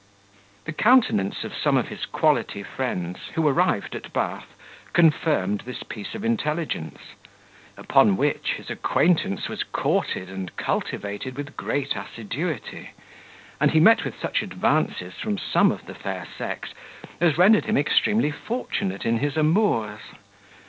The countenance of some of his quality friends, who arrived at Bath, confirmed this piece of intelligence. Upon which his acquaintance was courted and cultivated with great assiduity; and he met with such advances from some of the fair sex, as rendered him extremely fortunate in his amours.